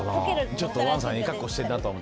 ちょっと王さん、ええ格好してるなって。